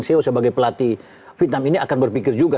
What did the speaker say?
ceo sebagai pelatih vietnam ini akan berpikir juga